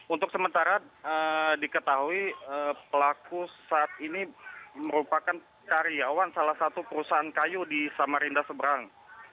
untuk sementara diketahui pelaku saat ini merupakan karyawan salah satu perusahaan kayu di samarinda seberang